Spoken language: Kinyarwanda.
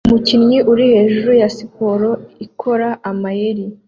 Umukinnyi uri hejuru ya siporo ikora amayeri